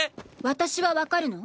私はわかるの？